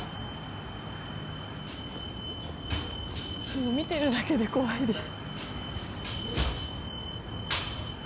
もう見てるだけで怖いです。